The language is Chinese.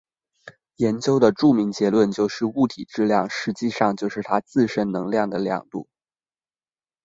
研究的著名结论就是物体质量实际上就是它自身能量的量度。